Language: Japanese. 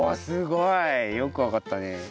すごい！よくわかったね。